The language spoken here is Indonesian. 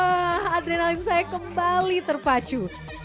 wah adrenalin saya kembali terpacu